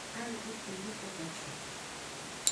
Alqu tulluta kachun.